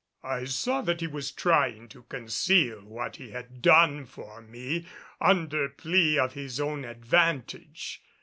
I saw that he was trying to conceal what he had done for me, under plea of his own advantage.